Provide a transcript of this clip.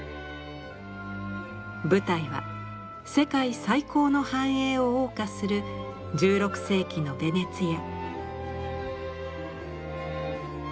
舞台は世界最高の繁栄をおう歌する１６世紀のヴェネツィア。